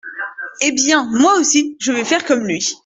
Eh bien, moi aussi, je vais faire comme lui.